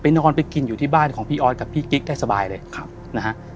นอนไปกินอยู่ที่บ้านของพี่ออสกับพี่กิ๊กได้สบายเลยครับนะฮะ